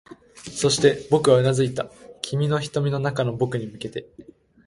そして、僕はうなずいていた、君の瞳の中の僕に向けて